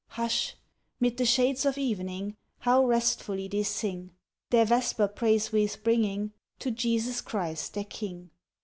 Hush! mid the shades of evening, How restfully they sing, Their Vesper praise wreaths bringing To Jesus Christ their King.